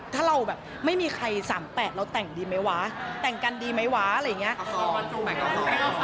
ถ้าเราแบบไม่มีใคร๓๘เราแต่งดีไหมวะแต่งกันดีไหมวะอะไรอย่างนี้